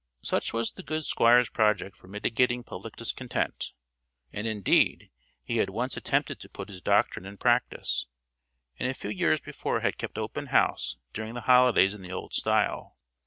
Such was the good Squire's project for mitigating public discontent; and, indeed, he had once attempted to put his doctrine in practice, and a few years before had kept open house during the holidays in the old style.